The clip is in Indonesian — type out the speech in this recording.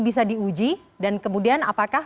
bisa diuji dan kemudian apakah